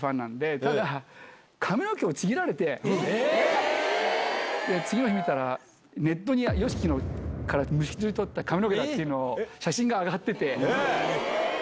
ただ髪の毛をちぎられて、次の日見たら、ネットにＹＯＳＨＩＫＩからむしり取った髪の毛だっていうのを、写真があら！